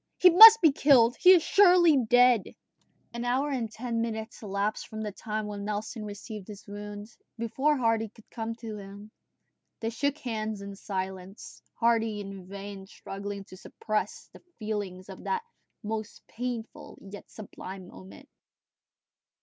He must be killed! He is surely dead!" An hour and ten minutes elapsed from the time when Nelson received his wound, before Hardy could come to him. They shook hands in silence, Hardy in vain struggling to suppress the feelings of that most painful and yet sublime moment.